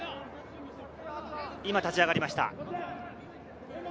今、立ち上がりました。